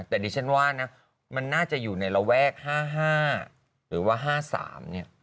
แต่ดิฉันว่านะมันน่าจะอยู่ในระแวก๕๕หรือว่า๕๓เนี่ย